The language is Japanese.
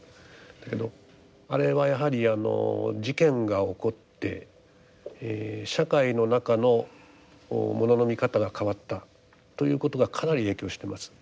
だけどあれはやはりあの事件が起こって社会の中の物の見方が変わったということがかなり影響してます。